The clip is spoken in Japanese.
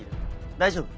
大丈夫？